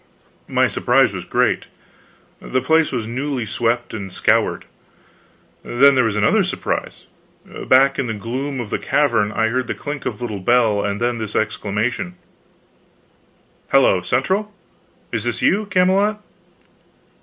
My surprise was great: the place was newly swept and scoured. Then there was another surprise. Back in the gloom of the cavern I heard the clink of a little bell, and then this exclamation: "Hello Central! Is this you, Camelot?